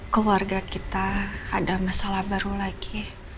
keluarga kita ada masalah baru lagi